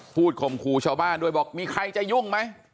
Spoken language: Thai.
ข่มขู่ชาวบ้านด้วยบอกมีใครจะยุ่งไหม